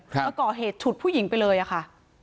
มาก่อเหตุฉุดผู้หญิงไปเลยอะค่ะ